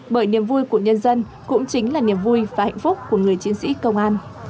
bởi niềm vui của nhân dân cũng chính là niềm vui và hạnh phúc của người chiến sĩ công an